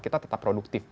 kita tetap produktif